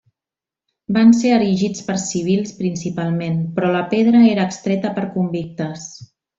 Van ser erigits per civils principalment, però la pedra era extreta per convictes.